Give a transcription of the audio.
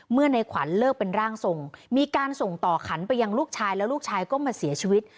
ในขวัญเลิกเป็นร่างทรงมีการส่งต่อขันไปยังลูกชายแล้วลูกชายก็มาเสียชีวิต